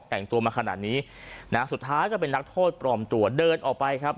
แต่งตัวมาขนาดนี้นะสุดท้ายก็เป็นนักโทษปลอมตัวเดินออกไปครับ